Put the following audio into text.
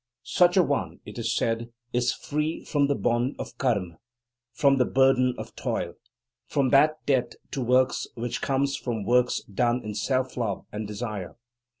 Such a one, it is said, is free from the bond of Karma, from the burden of toil, from that debt to works which comes from works done in self love and desire.